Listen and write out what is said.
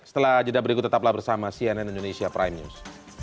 setelah jeda berikut tetaplah bersama cnn indonesia prime news